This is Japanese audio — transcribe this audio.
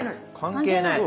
関係ない。